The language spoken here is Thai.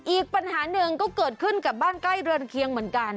อีกปัญหาหนึ่งก็เกิดขึ้นกับบ้านใกล้เรือนเคียงเหมือนกัน